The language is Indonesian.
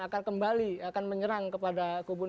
akan kembali akan menyerang kepada kubu dua